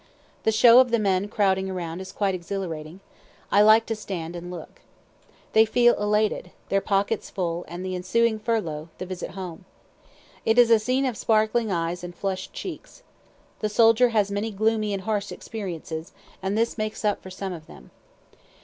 The show of the men crowding around is quite exhilarating; I like to stand and look. They feel elated, their pockets full, and the ensuing furlough, the visit home. It is a scene of sparkling eyes and flush'd cheeks. The soldier has many gloomy and harsh experiences, and this makes up for some of them.